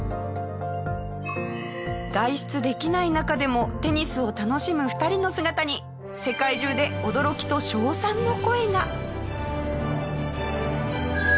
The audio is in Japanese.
外出できない中でもテニスを楽しむ２人の姿に世界中で驚きと称賛の声が。